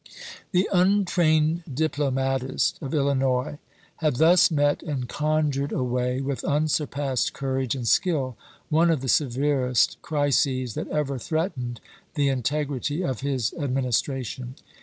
The untrained diplomatist of Illinois had thus met and conjured away, with unsurpassed courage and skill, one of the severest crises that ever threat ened the integrity of his Administration.